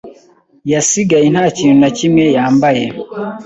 yasigaye nta kintu na kimwe yambaye.